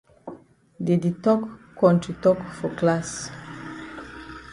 Dey di tok kontri tok for class.